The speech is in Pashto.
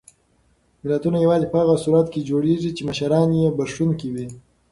ملتونه یوازې په هغه صورت کې جوړېږي چې مشران یې بښونکي وي.